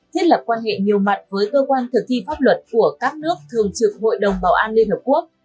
thiết lập quan hệ nhiều mặt với cơ quan thực thi pháp luật của các nước thường trực hội đồng bảo an liên hợp quốc